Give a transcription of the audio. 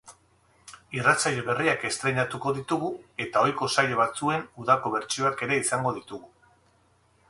Irratsaio berriak estreinatuko ditugu eta ohiko saio batzuen udako bertsioak ere izango ditugu.